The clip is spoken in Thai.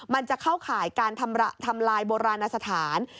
มันจะเข้าข่ายการทำลายโบราณสถาน